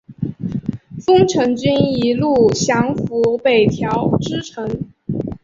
丰臣军一路降伏北条支城。